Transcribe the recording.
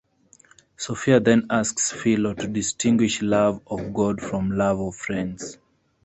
Sophia then asks Philo to distinguish love of God from love of friends.